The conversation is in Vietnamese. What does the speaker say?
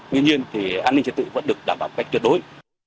tuy nhiên thì an ninh trật tự vẫn được đảm bảo cách tuyệt đối